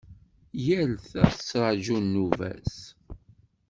Yal ta tettraǧu nnuba-s.